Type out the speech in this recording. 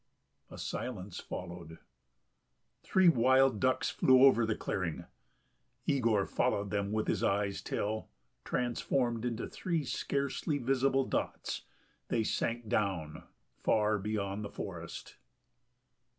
A silence followed. Three wild ducks flew over the clearing. Yegor followed them with his eyes till, transformed into three scarcely visible dots, they sank down far beyond the forest.